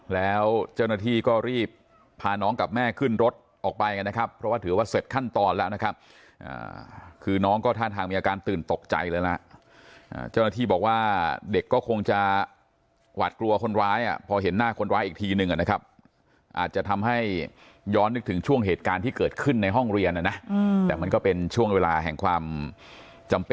แล้วเจ้าหน้าที่ก็รีบพาน้องกับแม่ขึ้นรถออกไปกันนะครับเพราะว่าถือว่าเสร็จขั้นตอนแล้วนะครับคือน้องก็ท่าทางมีอาการตื่นตกใจแล้วล่ะเจ้าหน้าที่บอกว่าเด็กก็คงจะหวาดกลัวคนร้ายอ่ะพอเห็นหน้าคนร้ายอีกทีหนึ่งนะครับอาจจะทำให้ย้อนนึกถึงช่วงเหตุการณ์ที่เกิดขึ้นในห้องเรียนนะนะแต่มันก็เป็นช่วงเวลาแห่งความจำเป็น